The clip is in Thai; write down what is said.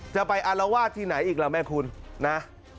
จะไปอารวาสที่ไหนอีกล่ะแม่คุณนะ